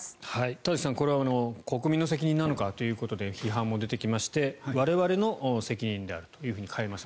田崎さん、これ国民の責任なのかということで批判も出てきまして我々の責任であると変えました。